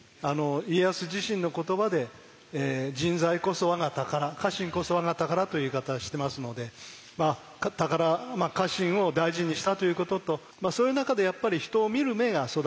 家康自身の言葉で「人材こそ我が宝家臣こそ我が宝」という言い方してますので宝まあ家臣を大事にしたということとそういう中でやっぱり人を見る目が育った。